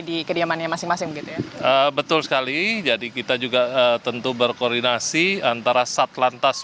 di kediamannya masing masing betul sekali jadi kita juga tentu berkoordinasi antara sat lantas